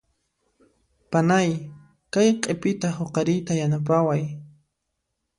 Panay kay q'ipita huqariyta yanapaway.